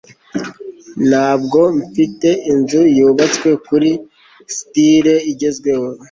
ntabwo mfite inzu yubatswe kuri stile igezweho